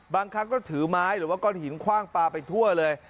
บางครั้งก็ถือไม้หรือว่าก้อนหินคว่างปลาไปทั่วเลย